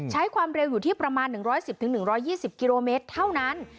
ใช้ความเร็วอยู่ที่ประมาณ๑๑๐๑๒๐กิโลเมตรเท่านั้น